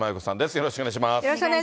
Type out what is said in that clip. よろしくお願いします。